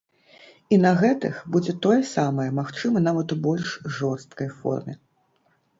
І на гэтых будзе тое самае, магчыма, нават у больш жорсткай форме.